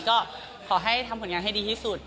ก็ขอให้ทำผลงานให้ดีที่สุด